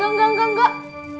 enggak enggak enggak